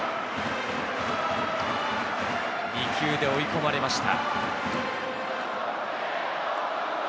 ２球で追い込まれました。